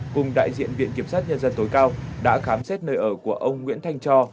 cùng đại diện viện kiểm sát nhân dân tối cao đã khám xét nơi ở của ông nguyễn thanh cho